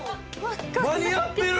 間に合ってる！